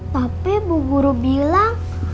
tapi bu guru bilang